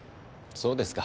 そうですか。